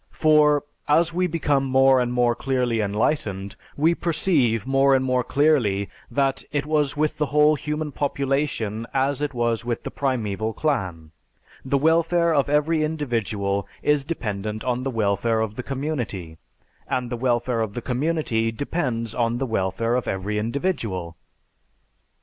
For, as we become more and more clearly enlightened, we perceive more and more clearly that it was with the whole human population as it was with the primeval clan; the welfare of every individual is dependent on the welfare of the community, and the welfare of the community depends on the welfare of every individual."